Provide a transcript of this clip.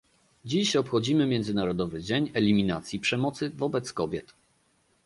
Dziś obchodzimy Międzynarodowy Dzień Eliminacji Przemocy wobec Kobiet